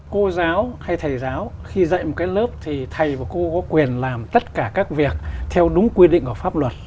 cô giáo hay thầy giáo khi dạy một cái lớp thì thầy và cô có quyền làm tất cả các việc theo đúng quy định của pháp luật